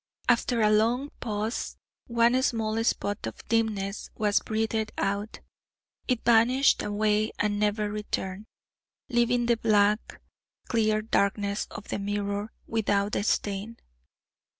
After a long pause, one small spot of dimness was breathed out; it vanished away, and never returned, leaving the blank clear darkness of the mirror without a stain.